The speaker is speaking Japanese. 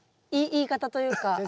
言い方というか。